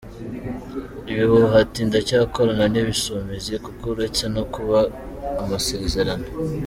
ibihuha ati "ndacyakorana nIbisumizi, kuko uretse no kuba amasezerano.